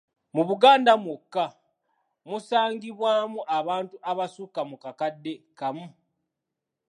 Mu Buganda mwokka, musangibwaamu abantu abasukka mu kakadde kamu.